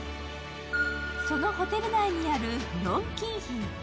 そのホテル内にある龍景軒。